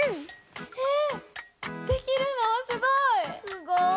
すごい！